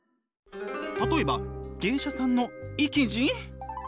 例えば芸者さんの意気地？